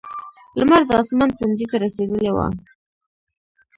لمر د اسمان تندي ته رسېدلی و.